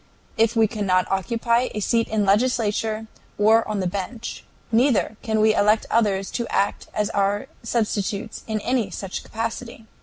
If we cannot occupy a seat in the legislature or on the bench, neither can we elect others to act as our substitutes in any such capacity.